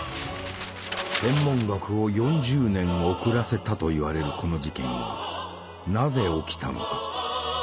「天文学を４０年遅らせた」と言われるこの事件はなぜ起きたのか？